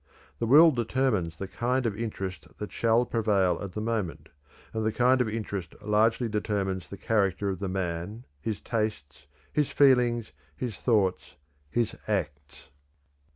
The will determines the kind of interest that shall prevail at the moment, and the kind of interest largely determines the character of the man, his tastes, his feelings, his thoughts, his acts.